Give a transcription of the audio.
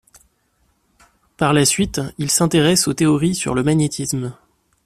Par la suite, il s'intéresse aux théories sur le magnétisme.